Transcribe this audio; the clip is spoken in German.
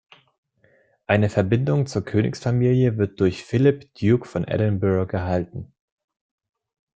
Eine Verbindung zur Königsfamilie wird durch Philip, Duke of Edinburgh, gehalten.